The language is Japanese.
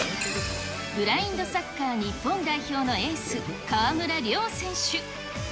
ブラインドサッカー日本代表のエース、川村怜選手。